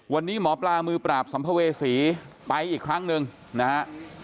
วันนี้หมอปลามือปราบสัมภเวษีไปอีกครั้งหนึ่งนะฮะ